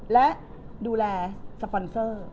และดูแลสปอนเซอร์